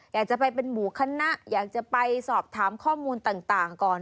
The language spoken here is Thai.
อยากจะไปเป็นหมู่คณะอยากจะไปสอบถามข้อมูลต่างก่อน